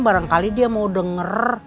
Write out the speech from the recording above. barangkali dia mau denger